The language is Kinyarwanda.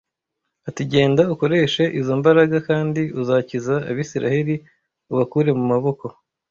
ati genda ukoreshe izo mbaraga kandi uzakiza Abisirayeli ubakure mu maboko